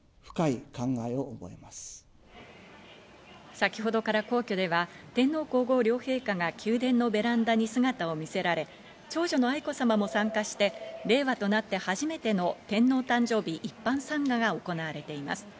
先ほどから皇居では天皇皇后両陛下が宮殿のベランダに姿を見せられ、長女の愛子さまも参加して、令和となって初めての天皇誕生日一般参賀が行われています。